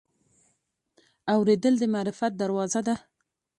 اورېدل د معرفت دروازه ده.